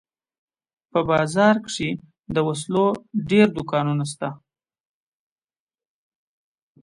په بازار کښې د وسلو ډېر دوکانونه سته.